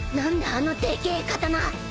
あのでけぇ刀。